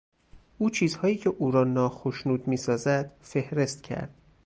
او چیزهایی که او را ناخشنود میسازد فهرست کرد.